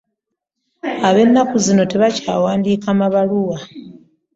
Ab'ennaku zino tebakyawandiika mabaluwa.